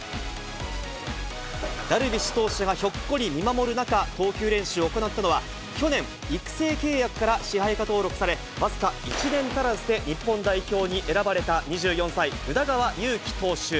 ダルビッシュ投手がひょっこり見守る中、投球練習を行ったのは、去年、育成契約から支配下登録され、僅か１年足らずで日本代表に選ばれた２４歳、宇田川優希投手。